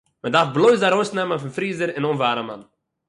מען דאַרף בלויז אַרויסנעמען פון פריזער אין אָנוואַרעמען